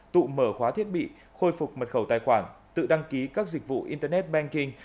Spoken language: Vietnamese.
tụ mở khóa thiết bị khôi phục mật khẩu tài khoản tự đăng ký các dịch vụ internet banking